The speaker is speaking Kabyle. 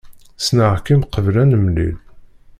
Ssneɣ-kem qbel ad nemlil.